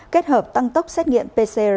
kết hợp tăng tốc xét nghiệm pcr